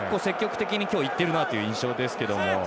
結構、積極的に今日いってるなという印象ですが。